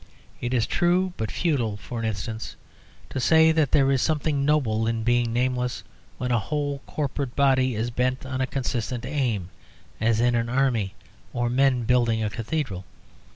It is true, but futile, for instance, to say that there is something noble in being nameless when a whole corporate body is bent on a consistent aim: as in an army or men building a cathedral.